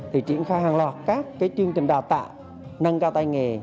thì triển khai hàng loạt các chương trình đào tạo nâng cao tay nghề